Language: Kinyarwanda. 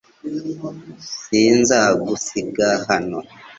S Sinzagusiga hano .